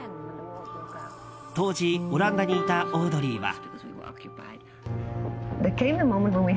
当時、オランダにいたオードリーは。